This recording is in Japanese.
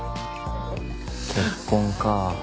結婚か。